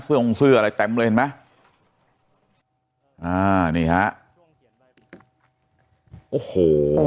เสื้องซื้ออะไรเต็มเลยเห็นไหม